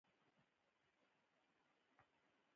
رومي بانجان په بغلان او کندز کې کیږي